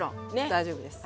大丈夫です。